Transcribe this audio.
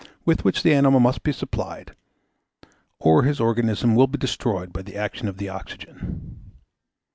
with which the animal must be supplied, or his organism will be destroyed by the action of the oxygen.